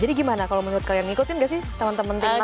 jadi gimana kalau menurut kalian ngikutin gak sih teman teman timnas ini